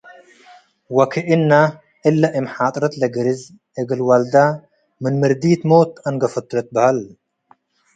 ወክእነ እለ እም ሓጥረት ለግርዝ፡ እግል ወልደ ምን ምርዲት ሞት አንገፈቱ ልትበሀል።